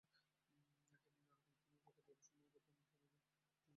তিনি নানারকম অর্থনৈতিক কার্যকলাপ সম্পন্ন করতেন নিষ্ঠার সাথে।